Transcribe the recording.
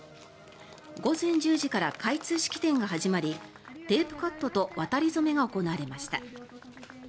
午前１０時から開通式典が始まりテープカットと渡り初めが行われました。